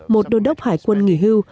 một đô đốc hải quân nghỉ hưu